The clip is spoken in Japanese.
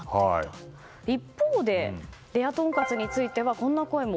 一方で、レアとんかつについてこんな声も。